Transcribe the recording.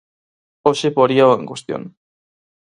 Hoxe poríao en cuestión.